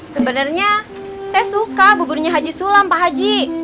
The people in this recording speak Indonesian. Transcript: sebenarnya saya suka buburnya haji sulam pak haji